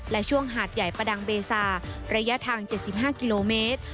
และช่วงหาดใหญ่ประดังเบซาระยะทาง๗๕กิโลเมตร